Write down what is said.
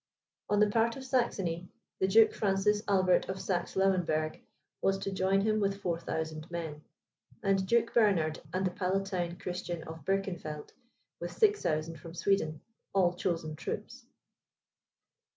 On the part of Saxony, the Duke Francis Albert of Saxe Lauenberg was to join him with 4,000 men; and Duke Bernard, and the Palatine Christian of Birkenfeld, with 6,000 from Sweden, all chosen troops.